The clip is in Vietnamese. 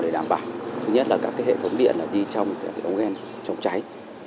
để đảm bảo thứ nhất là các cái hệ thống điện là đi trong cái ống ghen chống cháy